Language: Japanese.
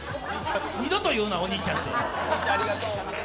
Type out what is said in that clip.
二度と言うな、お兄ちゃんって。